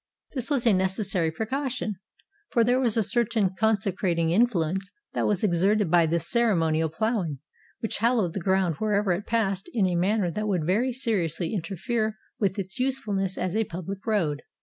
This was a necessary precau tion; for there was a certain consecrating influence that was exerted by this ceremonial ploughing which hal lowed the ground wherever it passed in a manner that would very seriously interfere with its usefulness as a pubHc road.